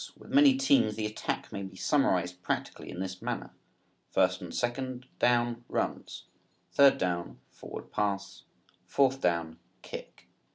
With many teams the attack may be summarized practically in this manner: first and second down, runs; third down, forward pass; fourth down, kick.